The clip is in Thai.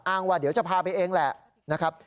ว่าเดี๋ยวจะพาไปเองแหละนะครับ